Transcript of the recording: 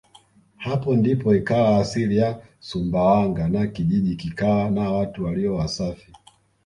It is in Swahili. Hapo ndipo ikawa asili ya Sumbawanga na kijiji kikawa na watu walio wasafi